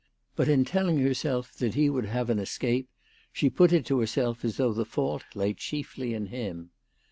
But in telling herself that he would have an escape, she put it to herself as though the fault lay chiefly in him.